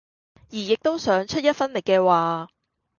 而亦都想出一分力嘅話